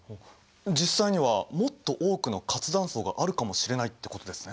実際にはもっと多くの活断層があるかもしれないってことですね。